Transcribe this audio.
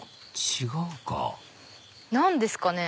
違うか何ですかね？